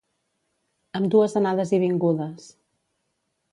Amb dues anades i vingudes.